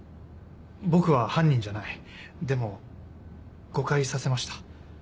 僕は犯人じゃないでも誤解させました。